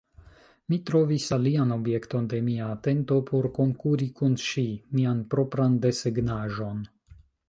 Mi trovis alian objekton de mia atento por konkuri kun ŝi: mian propran desegnaĵon.